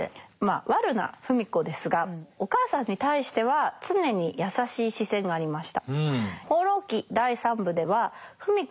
悪な芙美子ですがお母さんに対しては常に優しい視線がありました。